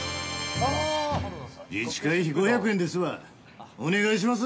自治会費５００円ですわ。